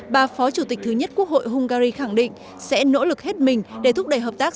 bà phó chủ tịch thứ nhất quốc hội hungary khẳng định sẽ nỗ lực hết mình để thúc đẩy hợp tác